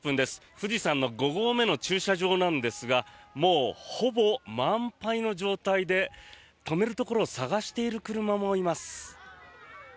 富士山の５合目の駐車場なんですがもうほぼ満杯の状態で止めるところを探している車もいます。